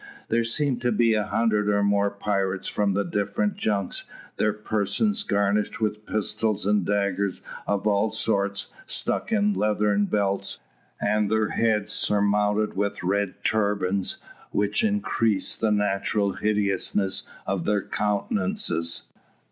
There seemed to be a hundred or more pirates from the different junks: their persons garnished with pistols and daggers of all sorts stuck in leathern belts, and their heads surmounted with red turbans, which increased the natural hideousness of their countenances.